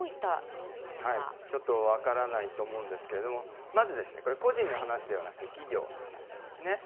ちょっと分からないと思うんですけれども、まず、これ、個人の話ではなくて企業の話なんですね。